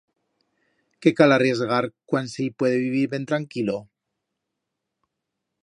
Qué cal arriesgar cuan se i puede vivir ben tranquilo?